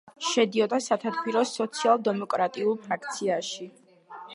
შედიოდა სათათბიროს სოციალ-დემოკრატიულ ფრაქციაში.